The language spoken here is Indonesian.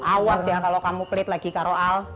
awas ya kalau kamu pelit lagi karo al